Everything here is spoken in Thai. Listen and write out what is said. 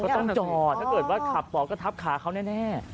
ต้องจอดถ้าเกิดว่าขับต่อก็ทับขาเขาแน่